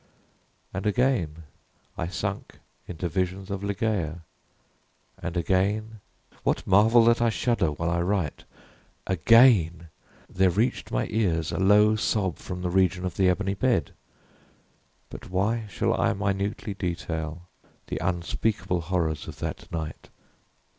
And again I sunk into visions of Ligeia and again (what marvel that I shudder while I write?), again there reached my ears a low sob from the region of the ebony bed. But why shall I minutely detail the unspeakable horrors of that night?